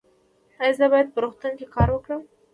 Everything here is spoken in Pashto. ایا زه باید په روغتون کې کار وکړم؟